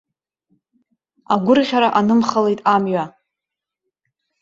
Агәырӷьара анымхалеит амҩа.